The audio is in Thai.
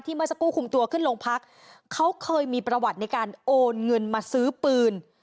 เมื่อสักครู่คุมตัวขึ้นลงพักเขาเคยมีประวัติในการโอนเงินมาซื้อปืน